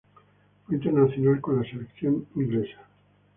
Fue internacional con la Selección Inglesa.